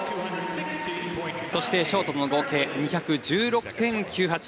そしてショートとの合計２１６．９８。